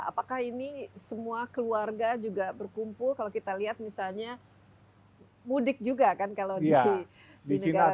apakah ini semua keluarga juga berkumpul kalau kita lihat misalnya mudik juga kan kalau di negara negara di china itu kan mudik